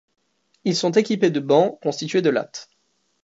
Ils sont équipés de bancs constitués de lattes.